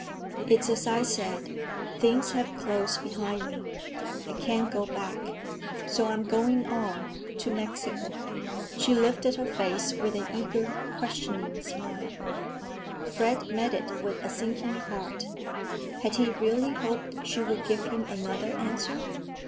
"It's as I said. Things have closed behind me. I can't go back, so I am going on—to Mexico?" She lifted her face with an eager, questioning smile. Fred met it with a sinking heart. Had he really hoped she would give him another answer?